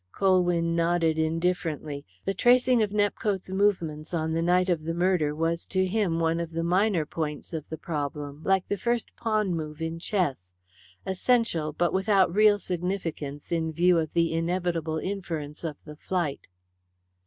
Colwyn nodded indifferently. The tracing of Nepcote's movements on the night of the murder was to him one of the minor points of the problem, like the first pawn move in chess essential, but without real significance, in view of the inevitable inference of the flight.